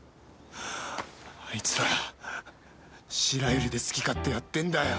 あいつら白百合で好き勝手やってんだよ。